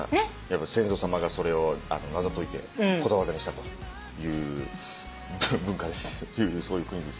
先祖さまがそれを謎解いてことわざにしたという文化です。